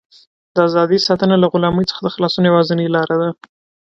د ازادۍ ساتنه له غلامۍ څخه د خلاصون یوازینۍ لاره ده.